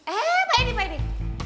eh pak edi pak edi